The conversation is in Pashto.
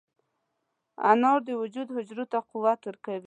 انار د وجود حجرو ته قوت ورکوي.